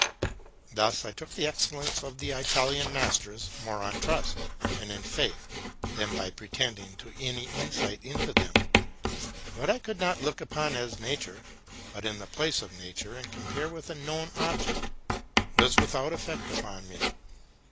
Thus I took the excellence of the Italian mas ters more on trust and in faith, than by pretending to any insight into them. What I could not look upon as nature, put in the place of nature, and compare with a known object, was without effect upon me.